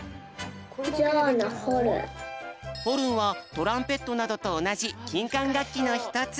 ホルンはトランペットなどとおなじきんかんがっきのひとつ。